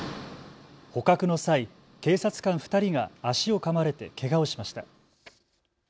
捕獲の際、警察官２人が足をかまれてけがをしました。